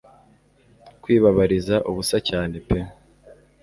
kwibabariza ubusa cyane pe